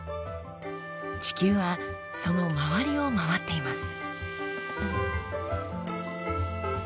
地球はその周りを回っています。